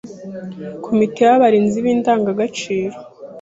Komite y’abarinzi b’indangagaciro